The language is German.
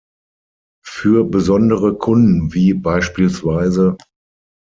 Für besondere Kunden wie bspw.